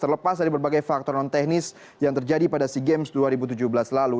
terlepas dari berbagai faktor non teknis yang terjadi pada sea games dua ribu tujuh belas lalu